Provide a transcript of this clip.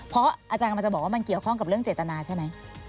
เพราะอาจารย์กำลังจะบอกว่ามันเกี่ยวข้องกับเรื่องเจตนาใช่ไหม